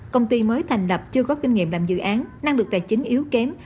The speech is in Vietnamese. công ty mới thành lập chưa có kinh nghiệm làm dự án năng lực tài chính yếu kém